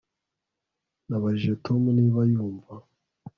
Nabajije Tom niba yumva